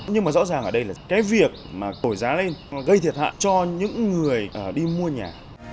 nhưng mà rõ ràng ở đây là cái việc mà thổi giá lên gây thiệt hại cho những người đi mua nhà